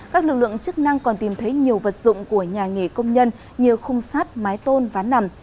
các lực lượng chức năng còn tìm thấy nhiều vật dụng của nhà nghề công nhân như khung sát mái tôn ván nằm